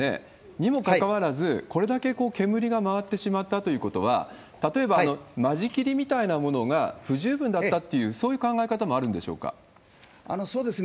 にもかかわらず、これだけ煙が回ってしまったということは、例えば間仕切りみたいなものが不十分だったっていう、そういう考そうですね。